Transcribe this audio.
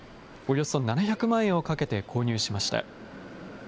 およそ７００万円をかけて購入しました。